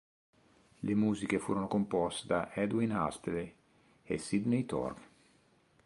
Le musiche furono composte da Edwin Astley e Sidney Torch.